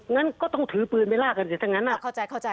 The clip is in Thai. งั้นก็ต้องถือปืนไว้ลากันเสียดังนั้นน่ะ